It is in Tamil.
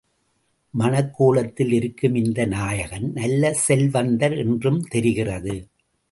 மணக்கோலத்திலிருக்கும் இந்த நாயகன் நல்ல செல்வந்தர் என்றும் தெரிகிறது.